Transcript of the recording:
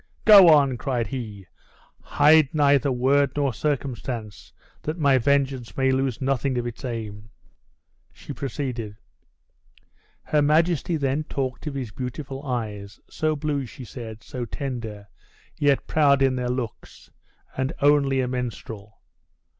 "Go on!" cried he; "hide neither word nor circumstance, that my vengeance may lose nothing of its aim!" She proceeded: "Her majesty then talked of his beautiful eyes; so blue, she said, so tender, yet proud in their looks; and only a minstrel!